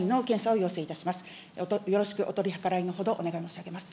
よろしくお取り計らいのほど、お願いを申し上げます。